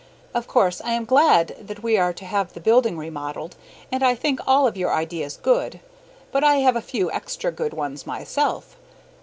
Of course I am glad that we are to have the building remodeled, and I think all of your ideas good, but I have a few extra good ones myself.